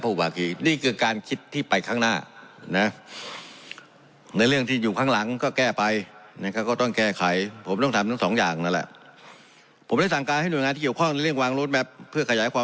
เพราะฉะนั้นมันจะเร่งรัดในเรื่องร่วมการพัฒนาร่วมกันทั้งให้ที่ส่วนของทวีพาคีกับพหูพาคี